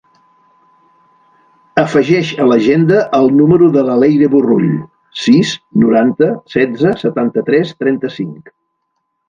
Afegeix a l'agenda el número de la Leyre Borrull: sis, noranta, setze, setanta-tres, trenta-cinc.